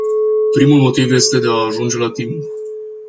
Primul motiv este de a ajunge la timp.